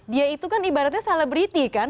dia itu kan ibaratnya selebriti kan